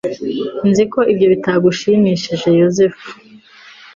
Nzi ko ibyo bitagushimishije Yozefu